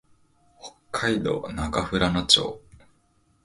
北海道中富良野町